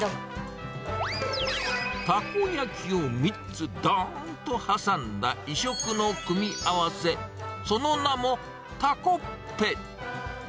たこ焼きを３つどーんと挟んだ、異色の組み合わせ、その名も、タコッペ。